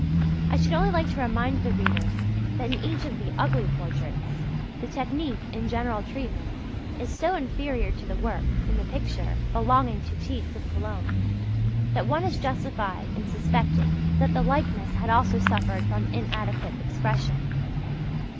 I should only like to remind the reader that in each of the "ugly" portraits, the technique and general treatment is so inferior to the work in the picture belonging to Tietz of Cologne, that one is justified in suspecting that the likeness has also suffered from inadequate expression.